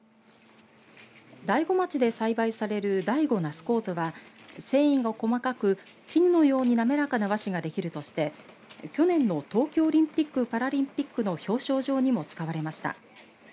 大子町で栽培される大子那須こうぞは繊維が細かく絹のように滑らかな和紙ができるとして去年の東京オリンピックパラリンピックの表彰状にも使われました。